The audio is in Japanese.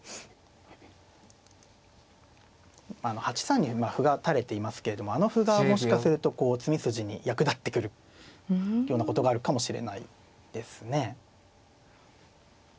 ８三に歩が垂れていますけれどもあの歩がもしかすると詰み筋に役立ってくるようなことがあるかもしれないですね。